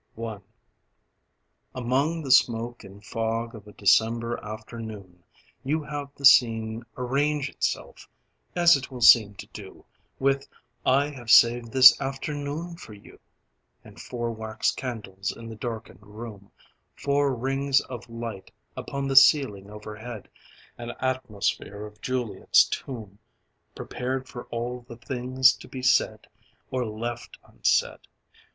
I Among the smoke and fog of a December afternoon You have the scene arrange itself as it will seem to do With "I have saved this afternoon for you"; And four wax candles in the darkened room, Four rings of light upon the ceiling overhead, An atmosphere of Juliet's tomb Prepared for all the things to be said, or left unsaid.